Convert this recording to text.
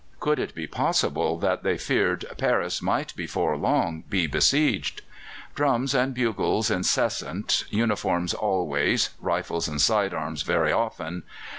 Could it be possible that they feared Paris might before long be besieged? Drums and bugles incessant, uniforms always, rifles and side arms very often.